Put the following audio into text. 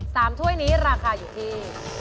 ถ้วยนี้ราคาอยู่ที่